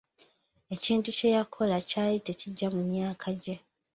Ekintu kye yakola kyali tekigya mu myaka gye.